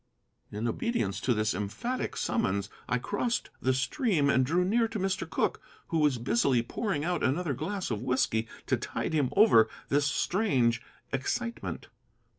In obedience to this emphatic summons I crossed the stream and drew near to Mr. Cooke, who was busily pouring out another glass of whiskey to tide him over this strange excitement.